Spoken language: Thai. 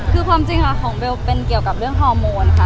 คือความจริงค่ะของเบลเป็นเกี่ยวกับเรื่องฮอร์โมนค่ะ